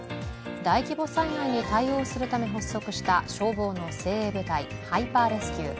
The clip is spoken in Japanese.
大規模災害に対応するため発足した消防の精鋭部隊、ハイパーレスキュー。